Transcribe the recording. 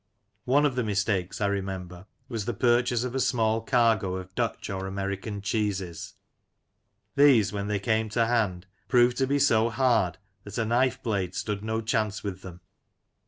One of the mistakes, I remember, was the purchase of a small cargo of Dutch or American cheeses. These, when they came to hand, proved to be so hard that a knife blade stood no chance with them.